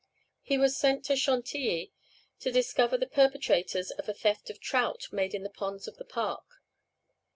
He was sent to Chantilly to discover the perpetrators of a theft of trout made in the ponds of the park.